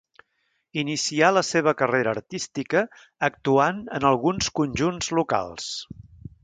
Inicià la seva carrera artística actuant en alguns conjunts locals.